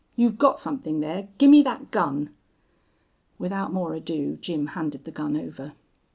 You've got somethin' there. Gimme thet gun." Without more ado Jim handed the gun over.